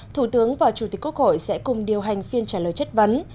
thủ tướng và chủ tịch quốc hội sẽ cùng điều hành phiên trả lời chất vấn